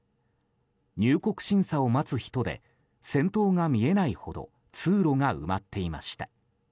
入国審査を待つ人で先頭が見えないほど通路が埋まっていました。